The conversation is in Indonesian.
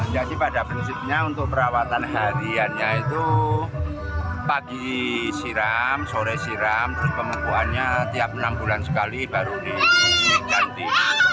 pada prinsipnya untuk perawatan hariannya itu pagi siram sore siram terus pemukuannya tiap enam bulan sekali baru diganti